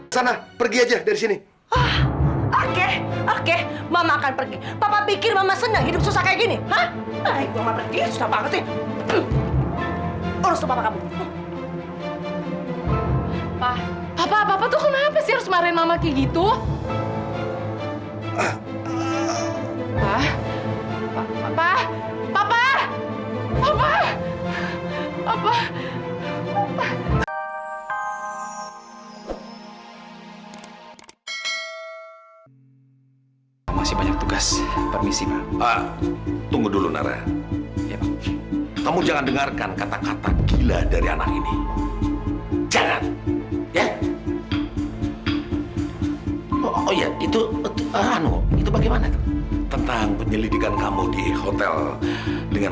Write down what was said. sampai jumpa di video selanjutnya